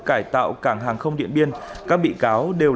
cải tạo cảng hàng không điện biên các bị cáo đều là